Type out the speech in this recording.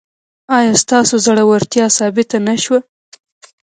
ایا ستاسو زړورتیا ثابته نه شوه؟